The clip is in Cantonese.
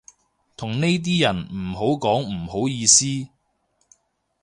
同呢啲人唔好講唔好意思